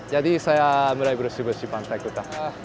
jadi saya mulai berusia usia di pantai kuta